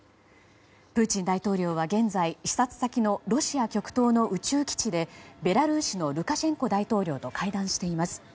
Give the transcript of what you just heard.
プーチン大統領は現在視察先のロシア極東の宇宙基地でベラルーシのルカシェンコ大統領と会談しています。